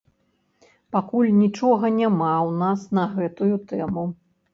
Пакуль нічога няма ў нас на гэтую тэму.